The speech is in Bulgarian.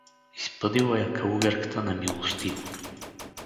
— Изпъдила я калугерката немилостиво.